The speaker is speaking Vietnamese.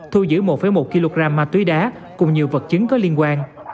thu giữ một một kg ma túy đá cùng nhiều vật chứng có liên quan